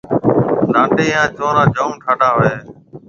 لانڊَي ھان چنورا جام ٺاڊا ھوئيَ ھيََََ